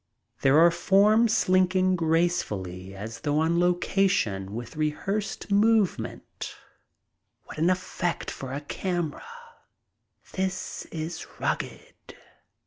There are forms slinking gracefully, as though on location and with rehearsed move ment. What an effect for a camera! This is rugged.